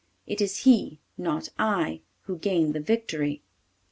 It was he, not I, who gained the victory.